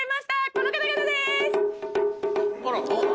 この方々です。